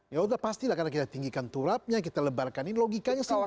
ya udah pastilah karena kita tinggikan turapnya kita lebarkan ini logikanya sama